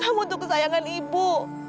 kamu itu kesayangan ibu